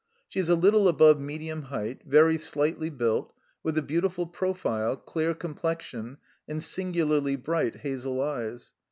She is a little above medium height, very slightly built, with a beautiful profile, clear com plexion, and singularly bright hazel eyes.